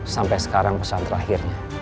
sampai sekarang pesan terakhirnya